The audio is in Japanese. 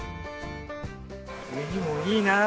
ウニもいいなあ